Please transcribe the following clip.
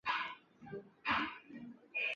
同治十二年以审理杨乃武与小白菜一案闻名。